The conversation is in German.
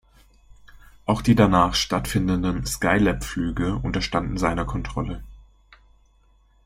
Auch die danach stattfindenden Skylab-Flüge unterstanden seiner Kontrolle.